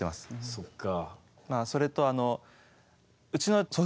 そっか。